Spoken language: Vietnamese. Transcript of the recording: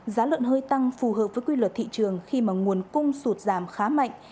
giá lợn hơi tăng phù hợp với quy luật thị trường khi mà nguồn cung sụt giảm khá mạnh